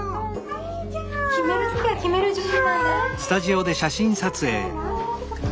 決める時は決める女子なんだよね。